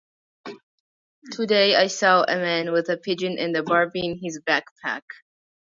Today I saw a man with a pigeon and a Barbie in his backpack.